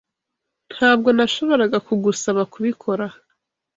Ntabwo nashoboraga kugusaba kubikora.